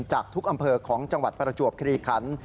จากทุกอำเภอของจังหวัดประจวบคลีคัน